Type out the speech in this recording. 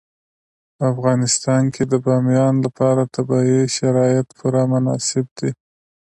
په افغانستان کې د بامیان لپاره طبیعي شرایط پوره مناسب دي.